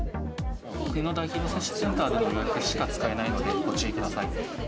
国の大規模接種センターでの予約しか使えないので、ご注意ください。